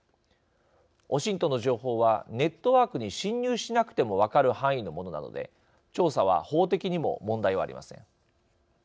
ＯＳＩＮＴの情報はネットワークに侵入しなくても分かる範囲のものなので調査は法的にも問題はありません。